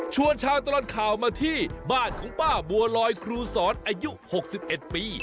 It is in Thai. ชาวตลอดข่าวมาที่บ้านของป้าบัวลอยครูสอนอายุ๖๑ปี